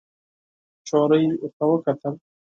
نجلۍ ورته وکتل.